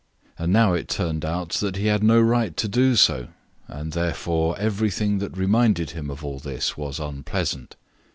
And now it turned out that he had no right to do so, and therefore everything that reminded him of all this was unpleasant.